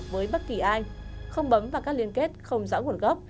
với bất kỳ ai không bấm vào các liên kết không rõ nguồn gốc